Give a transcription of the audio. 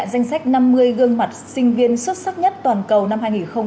danh sách năm mươi gương mặt sinh viên xuất sắc nhất toàn cầu năm hai nghìn hai mươi